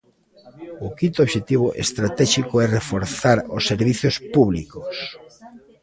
O quinto obxectivo estratéxico é reforzar os servizos públicos.